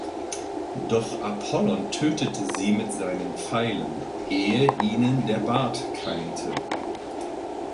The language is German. Doch Apollon tötete sie mit seinen Pfeilen, „ehe ihnen der Bart keimte“.